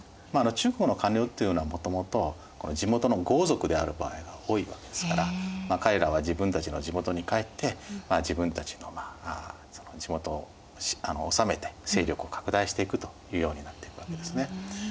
中国の官僚っていうのはもともと地元の豪族である場合が多いわけですから彼らは自分たちの地元に帰って自分たちの地元を治めて勢力を拡大していくというようになっていくわけですね。